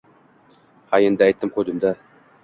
Ha endi, aytdim-qo`ydim-da